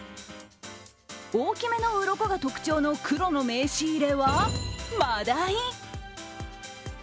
大きめのうろこが特徴の黒の名刺入れはマダイ。